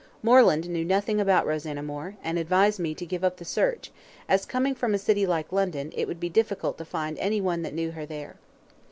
Moreland knew nothing about Rosanna Moore, and advised me to give up the search, as, coming from a city like London, it would be difficult to find anyone that knew her there.